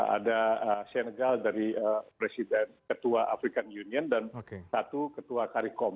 ada senegal dari presiden ketua african union dan satu ketua karikom